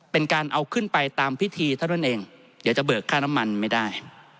เป็นการเอาขึ้นไปตามพิธีเท่านั้นเองเดี๋ยวจะเบิกค่าน้ำมันไม่ได้